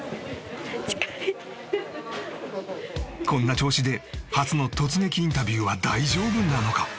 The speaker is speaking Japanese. こんな調子で初の突撃インタビューは大丈夫なのか？